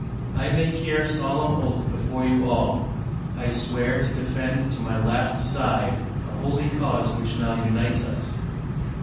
I make here solemn oath before you all, I swear to defend to my last sigh, the Holy Cause which now unites us."